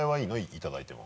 いただいても。